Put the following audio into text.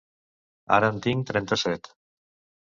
Ara en tinc trenta-set.